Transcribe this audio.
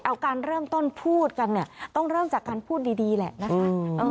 เอาการเริ่มต้นพูดกันเนี่ยต้องเริ่มจากการพูดดีแหละนะคะ